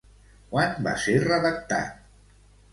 Quan va ser redactat?